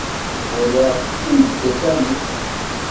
Wehmeɣ mi tent-walaɣ wwint-d akanic.